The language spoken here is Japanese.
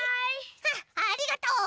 ありがとう。